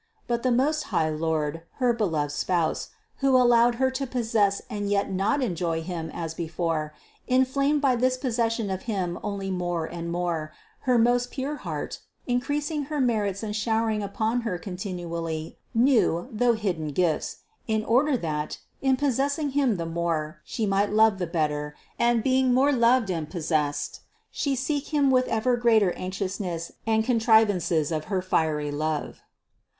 But the most high Lord, her beloved Spouse, who allowed Her to possess and yet 528 CITY OP GOD not enjoy Him as before, inflamed by this possession of Him only more and more her most pure heart, increasing her merits and showering upon Her continually new, though hidden gifts, in order that, in possessing Him the more, She might love the better, and being more loved and possessed, She seek Him with ever greater anxious ness and contrivances of her fiery love.